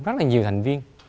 rất là nhiều thành viên